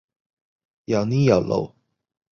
又呢又路？